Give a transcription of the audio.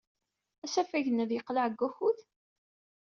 Asafag-nni ad yeqleɛ deg wakud?